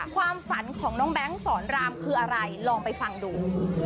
ความฝันของน้องแบงค์สอนรามคืออะไรลองไปฟังดู